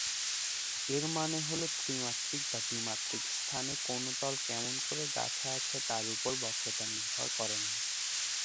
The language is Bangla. এর মানে হল, ত্রিমাত্রিক বা দ্বিমাত্রিক স্থানে কোন তল কেমন করে গাঁথা আছে তার ওপর বক্রতা নির্ভর করে না।